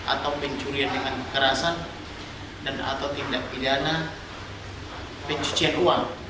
atau pencurian dengan kekerasan dan atau tindak pidana pencucian uang